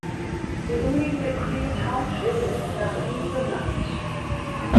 Die umliegende Creel Township ist nach ihm benannt.